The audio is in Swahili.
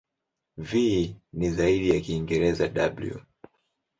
V ni zaidi ya Kiingereza "w".